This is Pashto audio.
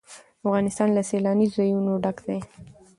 افغانستان له سیلانی ځایونه ډک دی.